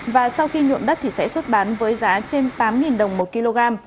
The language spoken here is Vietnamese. và sau khi nhuộm đất thì sẽ xuất bán với giá trên tám đồng một kg